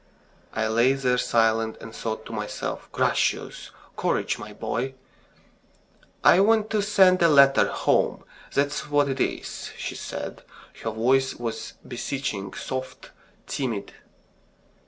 I lay there silent, and thought to myself: "Gracious!... Courage, my boy!" "I want to send a letter home, that's what it is," she said; her voice was beseeching, soft, timid.